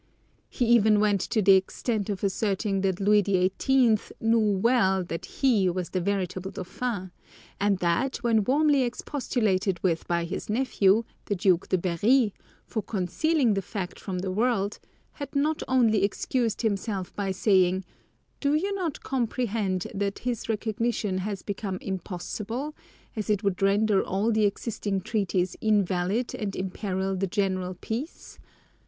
He even went to the extent of asserting that Louis the Eighteenth knew well that he was the veritable dauphin, and that when warmly expostulated with by his nephew, the Duke de Berry, for concealing the fact from the world, had not only excused himself by saying, "Do you not comprehend that this recognition has become impossible, as it would render all existing treaties invalid and imperil the general peace?"